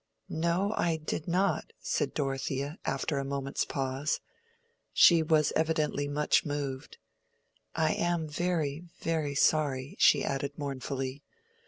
"No, I did not," said Dorothea, after a moment's pause. She was evidently much moved. "I am very, very sorry," she added, mournfully.